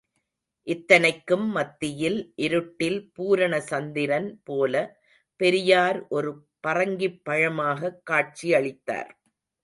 இத்தனைக்கும் மத்தியில் இருட்டில் பூரண சந்திரன் போல பெரியார் ஒரு பறங்கிப் பழமாகக் காட்சியளித்தார்.